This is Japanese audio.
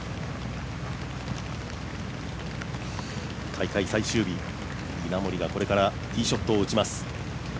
大会最終日、稲森がこれからティーショットを打ちます。